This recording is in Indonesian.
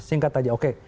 singkat saja oke